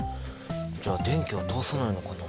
じゃあ電気は通さないのかな？